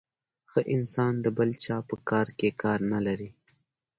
ښه انسان د بل چا په کار کي کار نلري .